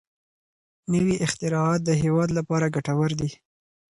نوي اختراعات د هېواد لپاره ګټور دي.